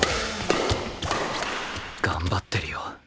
頑張ってるよ